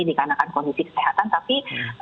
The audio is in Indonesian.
dikarenakan kondisi kesehatan tapi